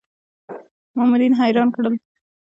مامورین حیران کړل.